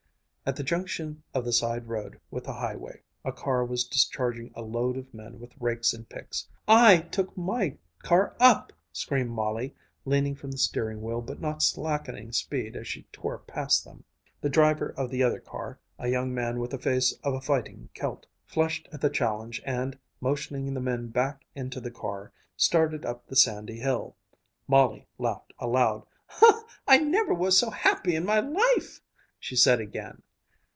At the junction of the side road with the highway, a car was discharging a load of men with rakes and picks. "I took my car up!" screamed Molly, leaning from the steering wheel but not slackening speed as she tore past them. The driver of the other car, a young man with the face of a fighting Celt, flushed at the challenge and, motioning the men back into the car, started up the sandy hill. Molly laughed aloud. "I never was so happy in my life!" she said again.